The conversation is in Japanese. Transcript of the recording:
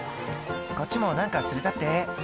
「こっちも何か釣れたって」